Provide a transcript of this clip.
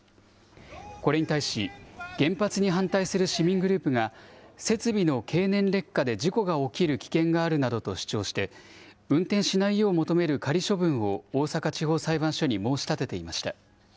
これに対し、原発に反対する市民グループが、設備の経年劣化で事故が起きる危険があるなどと主張して、運転しないよう求める仮処分を大阪地方裁判所に申し立てていました。